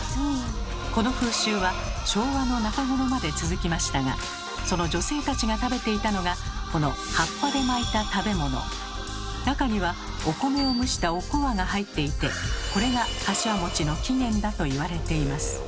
この風習は昭和の中頃まで続きましたがその女性たちが食べていたのがこの中にはお米を蒸したおこわが入っていてこれがかしわの起源だと言われています。